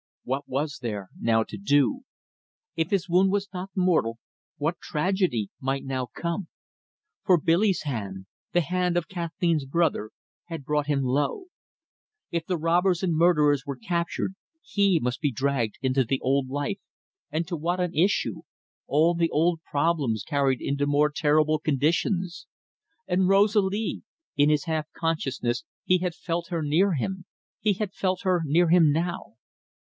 What was there now to do? If his wound was not mortal, what tragedy might now come! For Billy's hand the hand of Kathleen's brother had brought him low. If the robbers and murderers were captured, he must be dragged into the old life, and to what an issue all the old problems carried into more terrible conditions. And Rosalie in his half consciousness he had felt her near him; he felt her near him now.